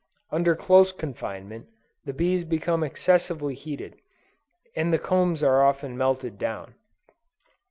Under close confinement, the bees become excessively heated, and the combs are often melted down.